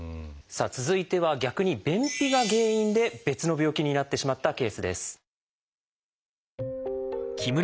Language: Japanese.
さあ続いては逆に便秘が原因で別の病気になってしまったケースです。